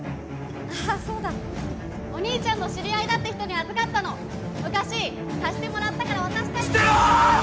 ああそうだお兄ちゃんの知り合いだって人に預かったの昔貸してもらったから渡したい捨てろ！